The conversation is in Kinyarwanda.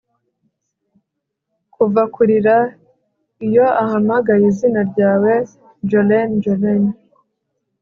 kuva kurira, iyo ahamagaye izina ryawe, jolene, jolene